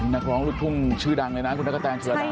นักร้องทุ่มชื่อดังเลยนะคุณตะกะแตนชนระดา